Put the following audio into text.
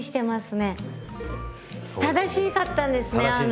正しかったんですねあれは。